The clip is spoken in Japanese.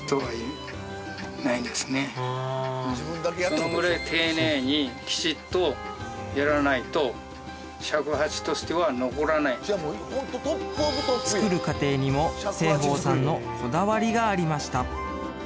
そのぐらい丁寧にきちっとやらないと尺八としては残らない作る過程にも栖鳳さんのこだわりがありました